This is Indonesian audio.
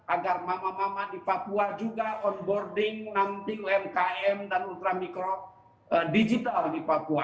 agar mama mama di papua juga onboarding nambing umkm dan ultramikro digital di papua